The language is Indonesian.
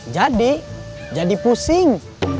jadi jadi pusing